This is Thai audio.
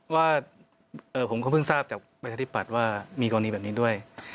ว่าผมก็เพิ่งทราบจากประชาธิปัตย์ว่ามีกรณีแบบนี้ด้วย